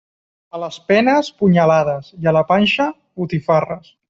A les penes, punyalades, i a la panxa, botifarres.